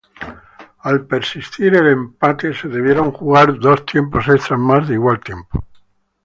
Al persistir el empate, se debieron jugar dos tiempos extras más de igual tiempo.